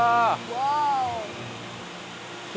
ワオ！